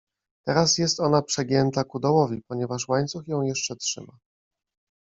Teraz jest ona przegięta ku dołowi, ponieważ łańcuch ją jeszcze trzyma.